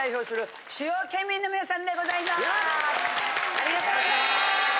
ありがとうございます。